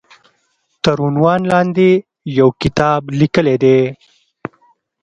تر عنوان لاندې يو کتاب ليکلی دی